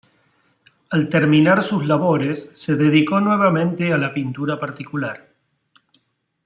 Al terminar sus labores, se dedicó nuevamente a la pintura particular.